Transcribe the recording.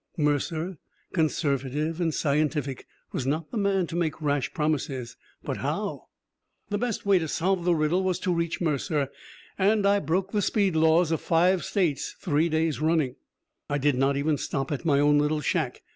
Mercer, conservative and scientific, was not the man to make rash promises. But how...? The best way to solve the riddle was to reach Mercer, and I broke the speed laws of five states three days running. I did not even stop at my own little shack.